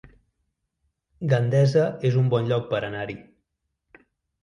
Gandesa es un bon lloc per anar-hi